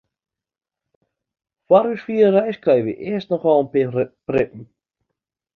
Foar ús fiere reis krije wy earst noch al in pear prippen.